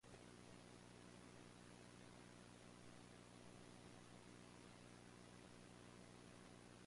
It is well watered by numerous Small Lakes and Streams of pure water.